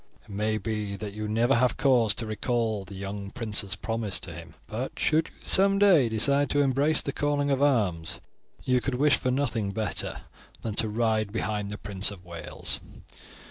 It may be that you may never have cause to recall the young prince's promise to him; but should you some day decide to embrace the calling of arms, you could wish for nothing better than to ride behind the Prince of Wales.